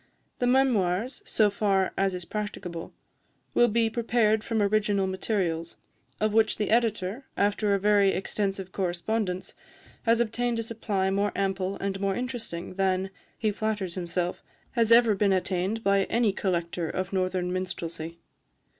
The memoirs, so far as is practicable, will be prepared from original materials, of which the Editor, after a very extensive correspondence, has obtained a supply more ample and more interesting than, he flatters himself, has ever been attained by any collector of northern minstrelsy.